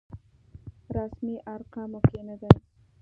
رسمي ارقامو کې نه دی.